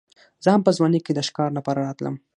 زه هم په ځوانۍ کې د ښکار لپاره راتلم.